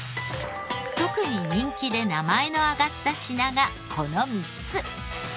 特に人気で名前の挙がった品がこの３つ。